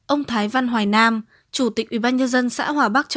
ông thái văn hoài nam chủ tịch ubnd xã hòa bắc cho